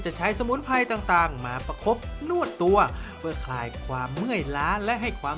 ใช้สมุนไพรต่างมาประคบนวดตัวเพื่อคลายความเมื่อยล้าและให้ความ